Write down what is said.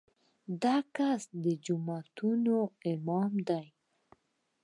دا کسان د جوماتونو امامان دي.